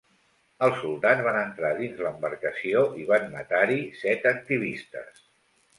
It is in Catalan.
Els soldats van entrar dins l’embarcació i van matar-hi set activistes.